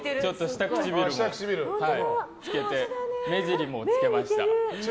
下唇もつけて目尻もつけました。